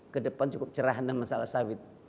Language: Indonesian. kedepan cukup cerahan dengan masalah sawit